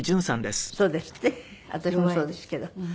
私もそうですけど。